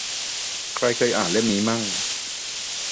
ใครเคยอ่านเล่มนี้มั่ง